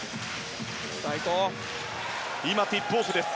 今、ティップオフです。